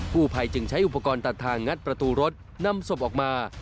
ผู้ภัยจึงใช้อุปกรณ์ตัดทางงัดประตูรถนำศพออกมา